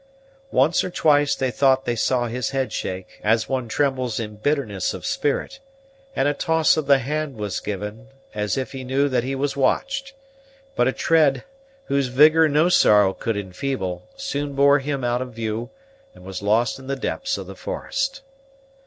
Once or twice they thought they saw his head shake, as one trembles in bitterness of spirit; and a toss of the hand was given, as if he knew that he was watched; but a tread, whose vigor no sorrow could enfeeble, soon bore him out of view, and was lost in the depths of the forest.